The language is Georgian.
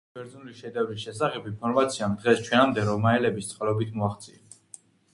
ბევრი ბერძნული შედევრის შესახებ ინფორმაციამ დღეს ჩვენამდე რომაელების წყალობით მოაღწია.